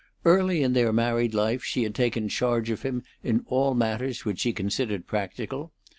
Early in their married life she had taken charge of him in all matters which she considered practical.